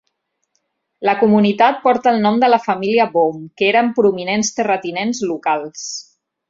La comunitat porta el nom de la família Boone, que eren prominents terratinents locals.